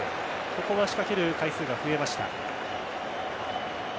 ここは仕掛ける回数が増えました。